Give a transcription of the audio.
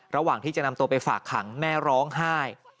ระหว่างที่จะนำตัวไปฝากขังแม่ร้องไห้